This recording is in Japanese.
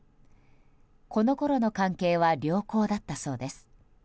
このころの関係は良好だったそうです。